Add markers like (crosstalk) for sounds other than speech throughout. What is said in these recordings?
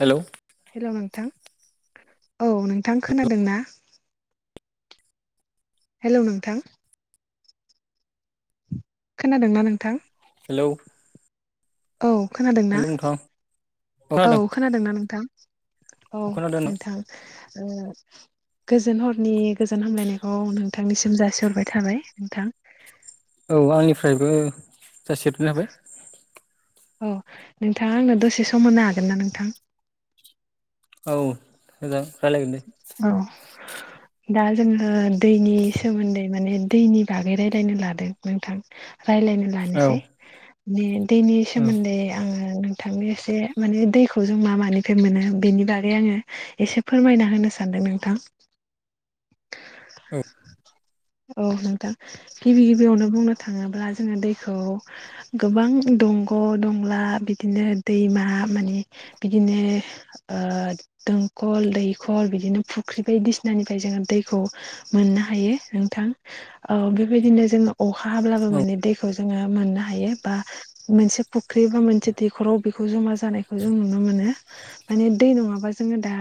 Hello hello नोंथां औ नोंथां खोनादों ना हेलौ नोंथां खोनादोंना नोंथां हेलौ औ खोनादों ना हेलौ नोंथां अ औ खोनादों अ खोनादोंना नोंथां औ खोनादों नों नोंथां ओ गोजोन हरनि गोजोन हामलायनायखौ नोंथांनिसिम जासिहरबाय थाबाय नोंथां औ आंनिफ्रायबो जासिहरग्रोनाय बाय औ नोंथाङा आंनो दसे सम होनो हागोन ना नोंथां औ होजा औ दा जोङो दैनि सोमोन्दै माने दैनि बागै रायलायनो लादों नोंथां रायलायनो औ लानोसै बे दैनि औ सोमोन्दै आङो नोंथांनो एसे माने दैखौ जों मा मानिफ्राय मोनो बेनि बागै आङो एसे फो फोरमायना होनो सानदों नोंथां औ (inaudible) औ नोंथां गिबि गिबियावनो बुंनो थाङोब्ला जोङो दैखौ गोबां दं ग' दंला बिदिनो दैमा माने बिदिनो ओ दो खल दैखर बिदिनो फुख्रि बायदिसिनानिफ्राय जोङो दैखौ मोननो हायो नोंथां ओ बेबायदिनो जोङो अखा हाब्लाबो औ माने दैखौ जोङो मोननो हायो बा मोनसे फुख्रि बा मोनसे दैखराव बेखौ जमा जानायखौ जों नुनो मोनो माने दै नङाबा जोङो दा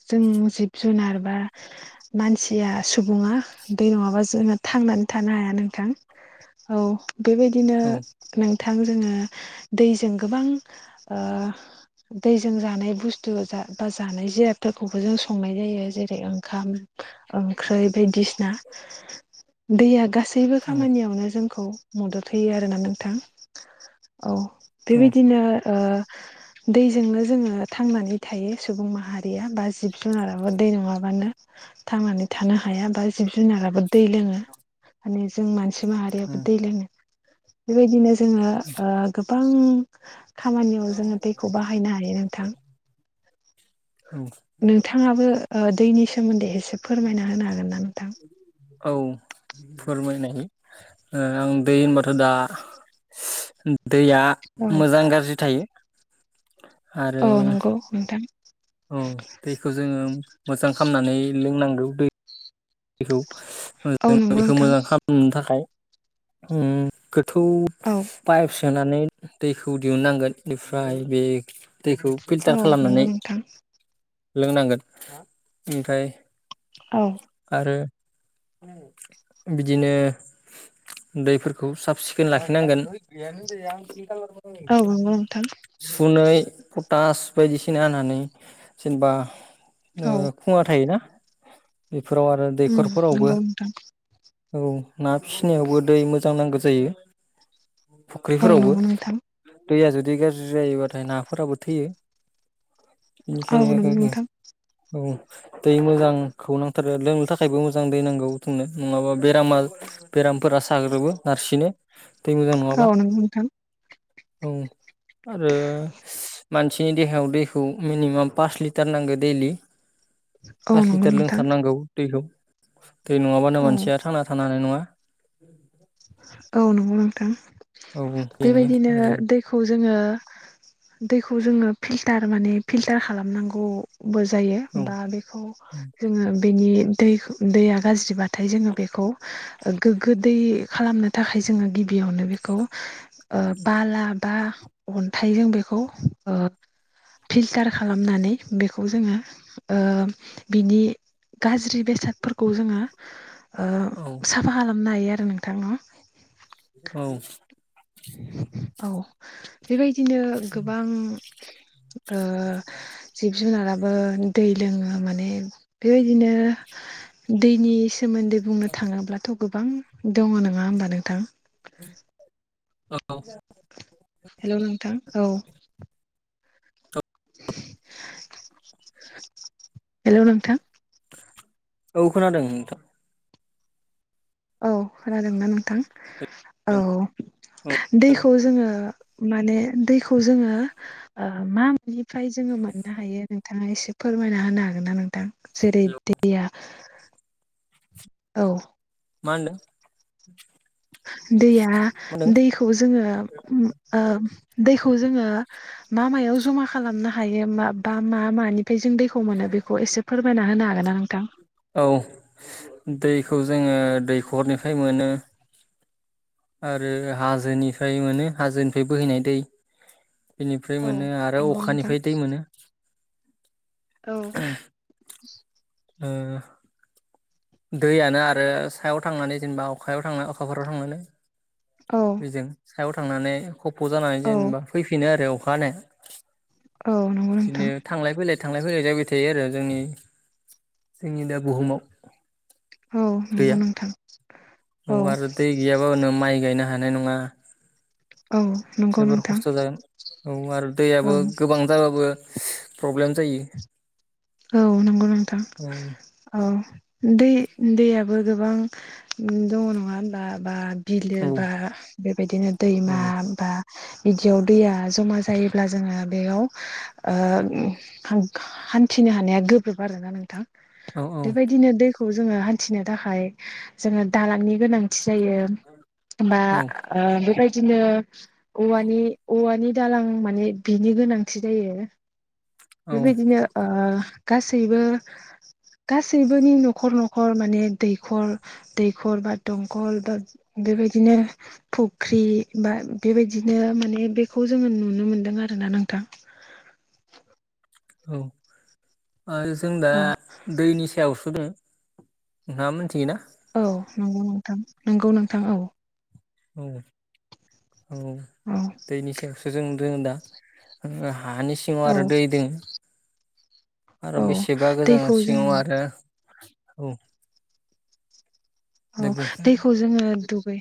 जों जिब जुनार बा मानसिया सुबुङा दै नङाबा जोङो थांनानै थानो हाया नोंथां औ बेबायदिनो नोंथां जोङो दैजों गोबां दैजों जानाय बुस्थु बा जानाय जे फोरखौबो जों संनाय जायो जेरै ओंखाम ओंख्रि बायदिसिना दैया गासै बो औ खामानियावनो जोंखौ मदद होयो आरोना नोंथां औ बेबायदिनो दैजोंनो जोङो थांनानै थायो सुबुं माहारि या बा जिब जुनाराबो दै नङाबानो थांनानै थानो हाया बा जिब जुनाराबो दै लोङो माने जों मानसि माहारियाबो दै लोङो बेबायदिनो जोङो गोबां औ खामानियाव जोङो दैखौ बाहायनो हायो नोंथां औ नोंथाङाबो दैनि सोमोन्दै एसे फोरमायना होनो हागोन ना नोंथां? औ फोरमायनायनि आं दै होनबाथ' दा दैया औ मोजां गाज्रि थायो आरो औ नंगौ नोंथां औ दैखौ जोङो मोजां खालामनानै लोंनांगौ दैखौ जों औ नंगौ बेखौ नोंथां मोजां खालामनो थाखाय थौ औ पाइप सोनानै दैखौ दिहुननांगोन बेनिफ्राय बे दैखौ औ फिल्टार खालामनानै नंगौ नोंथां लोंनांगोन ओमफाय औ आरो बिदिनो दैफोरखौ साब सिखोन लाखिनांगोन औ नंगौ नोंथां सुनै (unintelligible) बायदिसिना होनानै जेनेबा औ खुङा थायोना फोराव आरो उम दैखरफोरावबो नंगौ नोंथां औ ना फिसिनायावबो दै मोजां नांगौ जायो औ फुख्रिफोरावबो नंगौ नोंथां दैया जुदि गाज्रि जायोबाथाय नाफोराबो थैयो औ नंगौ बेनिखायनो नोंथां औ दै मोजांखौ नांगौ आरो लोंनो थाखायबो मोजां दै नांगौ जोंनो नङाबा बेरामा बेरामफोरा साग्लोबो नारसिनो दै मोजां नङाबा औ नंगौ नोंथां औ आरो मानसिनि देहायाव दैखौ मिनिमाम पास लिटार नांगो दैलि औ नंग नोंथां थारनांगौ दैखौ दै नङाबानो औ नंगौ नोंथां औ मोनसेया थांना थानो हानाय नङा औ नंगौ नोंथां औ बेनो बेबायदिनो आरो दैखौ जोङो दैखौ जोङो फिलटार माने फिल्टार खालामनांगौ बो जायो औ बा बेखौ जोङो बेनि दैखौ दैया गाज्रिबाथाय जोङो बेखौ गोग्गो दै खालामनो थाखाय जोङो गिबियावनो बेखौ बाला बा अन्थाइजों बेखौ फिल्टार खालामनानै बेखौ जोङो बिनि गाज्रि बेसादफोरखौ जोङो औ साफा खालामनो हायो आरो नोंथां न औ औ बेबायदिनो गोबां ओ जिब जुनाराबो दै लोङो माने बेबायदिनो दैनि सोमोन्दै बुंनो थाङोब्लाथ' गोबां दङ नङा होमबा नोंथां? औ हेलौ नोंथां औ हेलौ नोंथां औ खोनादों नोंथां औ खोनादोंना नोंथां? औ दैखौ जोङो माने दैखौ जोङो मा मानिफ्राय जोङो मोननो हायो नोंथाङा एसे फोरमायना होनो हागोन ना नोंथां? जेरै दैया औ मा होनदों? दैया मा होनदों दैखौ जोङो ओ दैखौ जोङो मा मायाव जमा खालामनो हायो मा बा मा मानि फ्राय जों दैखौ मोनो बेखौ एसे फोरमायना होनो हागोन ना नोंथां? औ दैखौ जोङो दैखरनिफ्राय मोनो। आरो हाजोनिफ्राय मोनो हाजोनिफ्राय बोहैनाय दै। बेनिफ्राय औ मोनो आरो नंगौ नोंथां अखानिफ्राय दै मोनो। औ ओ दैयानो आरो सायाव थांनानै जेनेबा अखायाव थांनानै अखाफोराव थांनानै औ बेजों सायाव थांनानै खफ जानानै जेनेबा फैफिनो आरो। अखा हानाय औ नंगौ बिदिनो नोंथां थांलाय फैलाय थांलाय‌ फैलाय जाबाय थायो आरो जोंनि जोंनि दा बुहुमाव। औ नंगौ दैया नोंथां औ आरो दै गैयाबाों माइ गायनो हा हानाय नङा। औ नंगौ जोबोर नोंथां खस्थ जागोन औ आरो औ दैयाबो गोबां जाबाबो प्रब्लेम जायो। औ नंगौ नोंथां औ औ। दै दैयाबो गोबां दङ नङा होनबा बा बिलो औ बा बेबायदिनो औ दैमा बा बिदियाव दैया जमा जायोब्ला जोङो बेयाव ओ (unintelligible) थिनो हानाया गोब्राब आरोना नोंथां औ बेबायदिनो दै खौ जोङो हान्थिनो थाखाय जोङो दालांनि गोनांथि जायो। बा औ ओ बेबाय बिदिनो औवानि औवानि दालां माने बिनि गोनांथि जायो। औ बेबायदिनो ओ गासैबो गासैबोनि न'खर न'खर माने दैखर दैखर बा दंखल बेबायदिनो फुख्रि बा बेबायदिनो माने बेखौ जोङो नुनो मोनदों आरोना नोंथां औ जों दा औ दैनि सायावसो नोंथाङा मोनथियोना? औ नंगौ नोंथां नंगौ नोंथां औ। औ औ औ दैनि सायावसो जों रोङो दा ओ हानि सिङाव औ आरो दै दों। आरो औ बेसेबा दैखौ गोजानाव सिङाव जोङो आरो औ दे औ बुं दैखौ जोङो दुगै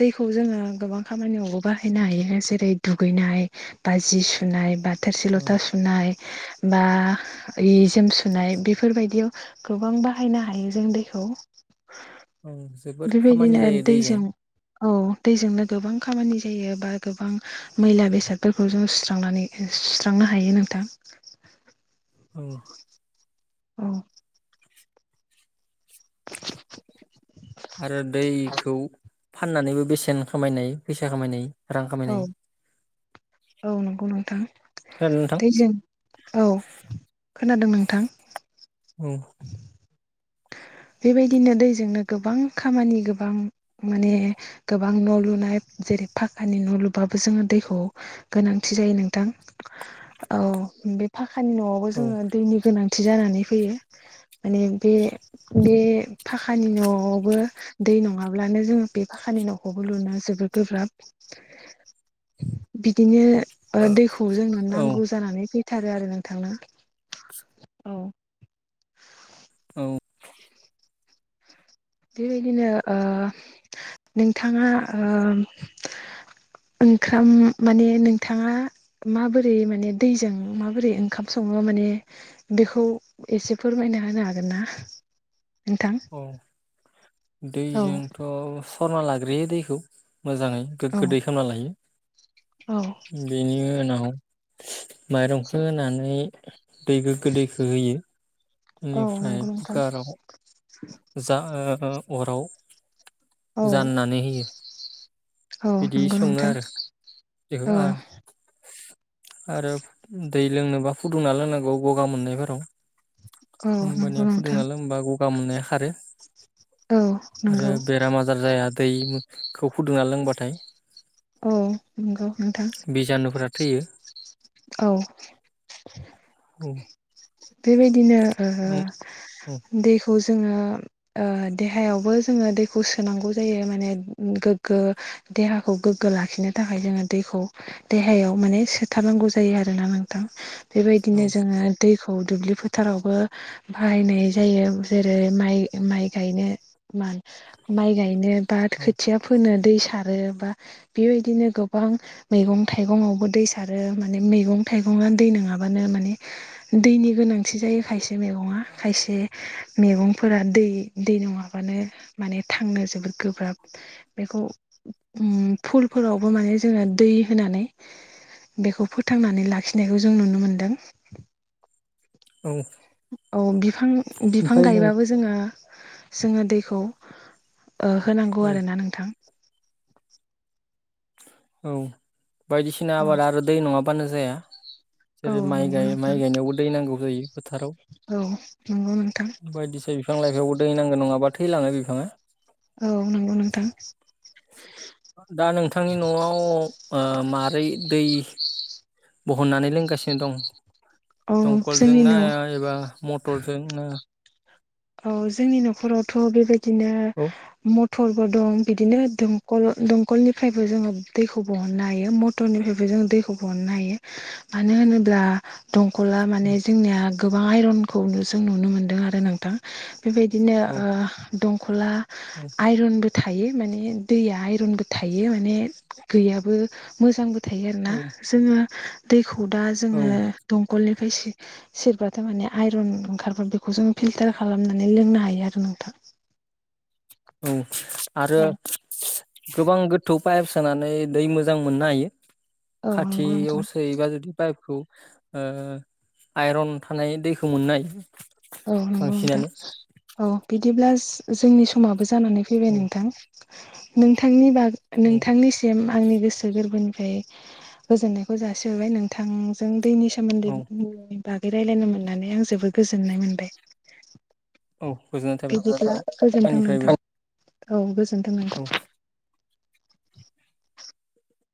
दैखौ जोङो गोबां खामानियावबो बाहायनो हायो जेरै दुगैनाय बा जि सुनाय बा थोरसि औ लथा सुनाय। बा जि जोम सुनाय बेफोरबायदियाव गोबां बाहायनो हायो जों दैखौ। (inaudible) जोबोद खामानि जायो दैजों औ दैजोंनो गोबां खामानि जायो बा गोबां मैला बेसादफोरखौ जों सुस्रांनानै सुस्रांनो हायो नोंथां औ औ (inaudible) आरो दैखौ फाननानैबो बेसेन खामायनाय फैसा खामायनाय रां औ खामायनाय औ नंगौ नोंथां खोनादों नोंथां दैजों औ खोनादों नोंथां उ बेबायदिनो दैजोंनो गोबां खामानि गोबां माने गोबां न' लुनाय जेरै फाखानि न' लुबाबो जोङो दैखौ गोनांथि जायो नोंथां औ बेफा खानि न'आवबो औ जोङो दैनि गोनांथि जानानै फैयो माने बे बे फाखानि न'आवबो दै नङाब्लानो जोङो बे फाखानि न'खौबो लुना जो जोबद गोब्राब बिदिनो ओ दैखौ जोंनो औ नांगौ जानानै फै थारो आरो नोंथां ना औ। औ बेबायदिनो ओ नोंथाङा ओ ओंखाम माने नोंथाङा माबोरै माने दैजों माबोरै ओंखाम सङो माने माने बेखौ एसे फोरमायना होनो हागोन ना नोंथां औ औ दैजोंथ' सरना लाग्रोयो दैखौ मोजाङै औ गोगो दै खोमना लायो। औ बेनि उनाव माइरंखो होनानै दै गोग्गो दैखो होयो। औ बेनिफ्राय नंगौ नोंथां। कुकाराव जा अराव औ जाननानै होयो औ बिदि नंगौ सङो नोंथां आरो। बे औ (inaudible) आरो दै लोंनोबा फुदुंना लोंनांगौ गगा मोननायफोराव। औ नंगौ होमबानिया नोंथां फुदुंना लोंबा गगा मोननाया खारो। औ आरो नंगौ बेराम आजार जाया दैखौ फुदुंना लोंबाथाय औ नंगौ नोंथां बिजानुफोरा थैयो (inaudible) औ औ (inaudible) बेबायदिनो ओ औ औ दैखौ जों जोङो ओ देहायावबो जोङो दैखौ सोनांगौ जायो माने गोग्गो देहाखौ गोगो लाखिनो थाखाय जोङो दैखौ देहायाव माने सोथारनांगौ जायो आरोना नोंथां। बेबायदिनो औ जोङो दैखौ दुब्लि फोथारावबो बाहायनाय जायो जेरै माइ माइ गायनो माइ गायनो बा खोथिया फोनो दै सारो बा बेबायदिनो गोबां मैगं थाइगङावबो दै सारो। माने मैगं थाइगङा दै नोङाबा बानो माने दैनि गोनांथि जायो खायसे मैगङा खायसे मैगंफोरा दै दै नङाबानो माने थांनो जोबोद गोब्राब बेखौ उम फुलफोरावबो माने जोङो दै होनानै बेखौ फोथांनानै लाखिनायखौ जों नुनो मोनदों। औ औ बिफां बिफां ओमफ्राय नों गायबाबो जोङो जोङो दैखौ ओ होनांगौ औ आरो ना नोंथां। औ बायदिसिना औ आबाद आरो दै नङाबानो जाया औ जेरै माइ नंगौ गाय माइ नोंथां गायनायावबो दै नांगौ जायो फोथाराव औ नंगौ नोंथां बायदिसि बिफां लाइफाङावबो दैनांगौ नङाबा थैलाङो बिफाङा औ नंगौ नोंथां। थांनि न'आव ओ मारै दै (inaudible) बहननानै लोंगासिनो दं? औ जोंनि दंखलजोंना न' एबा मटरजोंना औ जोंनि न'खरावथ' बेबायदिनो औ म फलबो दं बिदिनो दं दंखलनिफ्रायबो जोङो दैखौ बहननो हायो मटरनिफ्रायबो जों दैखौ बहनो हायो मानो होनोब्ला दंखला औ माने जोंनिया गोबां आइरनखौ जों नुनो मोनदों आरो नोंथां बेबायदिनो औ दंखला आइरनबो थायो माने दैया आयरनबो थायो माने गैयाबो मोजांबो थायो आरोना औ जोङो दैखौ दा औ जोङो दंखलनि सेरबा थायमाने आयरन ओंखारबा बेखौ जों फिल्टार खालामनानै लोंनो हायो आरो नोंथां औ आरो औ गोबां गोथौ पाइप सोनानै दै मोजां मोननो हायो औ नंगौ नोंथां खाथियावसोयोबा जदि पाइपखौ आइरन थानाय दैखौ मोननो हायो औ नंगौ नोंथां बांसिनानो औ बिदिब्ला जोंनि समाबो जानानै फैबाय औ नोंथां नोंथांनि बागै औ नोंथांनिसिम आंनि गोसो गोरबोनि ओमफ्राय गोजोननायखौ जासिहोबाय नोंथांजों दैनि सोमोन्दै औ बागै रायज्लायनो मोननानै आं जोबोद गोजोननाय मोनबाय औ गोजोननाय थाबाय बिदिब्ला गोजोनथों आंनिफ्रायबो नोंथां औ गोजोनथों नोंथां औ